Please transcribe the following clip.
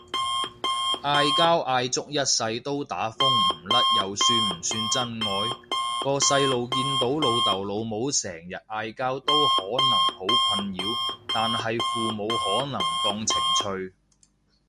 嗌交嗌足一世都打風唔甩又算唔算真愛？個細路見到老豆老母成日嗌交都可能好困擾，但係父母可能當情趣